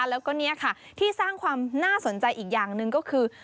แล้วก็นี่ค่ะที่สร้างความน่าสนใจอีกอย่างหนึ่งก็คือ